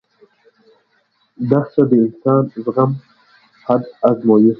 دښته د انساني زغم حد ازمويي.